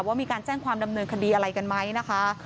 ว่ามีการแจ้งความดำเนินคดีอะไรกันไหมนะคะ